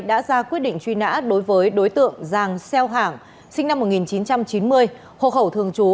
đã ra quyết định truy nã đối với đối tượng giàng xeo hảng sinh năm một nghìn chín trăm chín mươi hộ khẩu thường trú